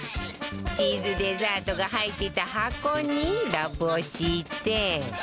チーズデザートが入っていた箱にラップを敷いて